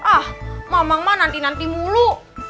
ah mak mak mak nanti nanti mulu